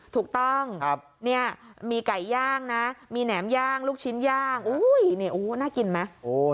ถูกต้องเนี่ยมีไก่ย่างนะมีแหนมย่างลูกชิ้นย่างน่ากินไหม